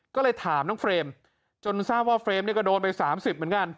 ก็เลยถามน้องเฟรมจนทราบว่าเฟรมเนี่ยก็โดนไป๓๐เหมือนกัน